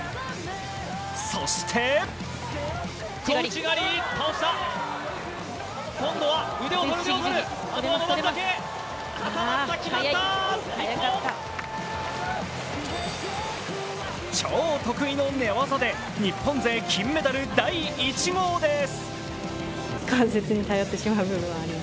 そして超得意の寝技で日本勢金メダル第１号です。